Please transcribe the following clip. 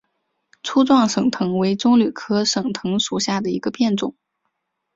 粗壮省藤为棕榈科省藤属下的一个变种。